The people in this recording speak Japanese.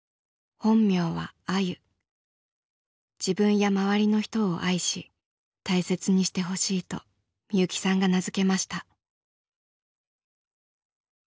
本名は自分や周りの人を愛し大切にしてほしいとみゆきさんが名付けました。